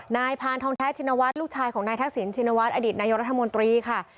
นายพาลธองแท้ชินวัสลูกชายของนายทักศิลป์ชินวัสอยรมนคครับ